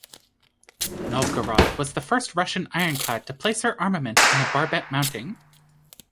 "Novgorod" was the first Russian ironclad to place her armament in a barbette mounting.